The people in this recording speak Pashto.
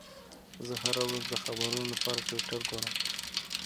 زه هره ورځ د خبرونو لپاره ټویټر ګورم.